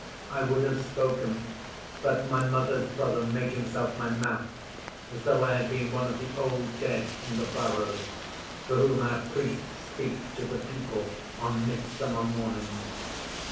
I would have spoken, but my Mother's brother made himself my Mouth, as though I had been one of the Old Dead in the Barrows for whom our Priests speak to the people on Midsummer Mornings.